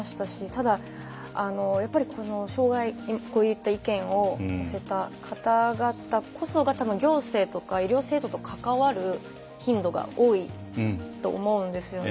ただ、こういった意見を寄せてくれた方々こそ行政とか医療制度とかかわる頻度が多いと思うんですよね。